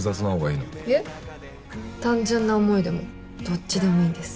いえ単純な思いでもどっちでもいいです。